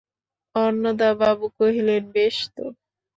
অন্নদাবাবু কহিলেন, বেশ তো।